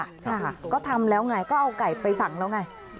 ค่ะก็ทำแล้วไงก็เอาไก่ไปฝังแล้วไง